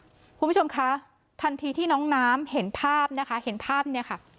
คุณผู้ชมคะทันทีที่น้องน้ำเห็นภาพนะคะเห็นภาพเนี่ยค่ะ